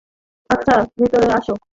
আচ্ছা, ভেতর আসো।